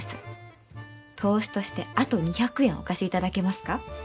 投資としてあと２００円お貸しいただけますか？